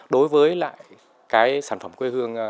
đối với lại cái sản phẩm quê hương